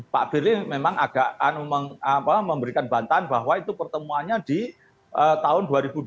pak firly memang agak memberikan bantahan bahwa itu pertemuannya di tahun dua ribu dua puluh